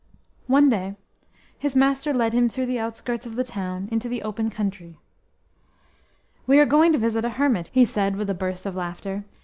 One day his master led him through the outskirts of the town into the open country. "We are going to visit a hermit," he said with a burst of laughter.